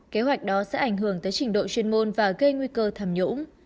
kế hoạch đó sẽ ảnh hưởng tới trình độ chuyên môn và gây nguy cơ thảm nhũng